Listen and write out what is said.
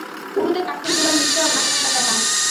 উরুতে কাঠের গুড়ার মিশ্রণ, আর শসা কাটা।